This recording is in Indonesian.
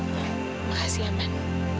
terima kasih ya men